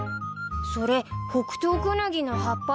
それホクトウクヌギの葉っぱだね。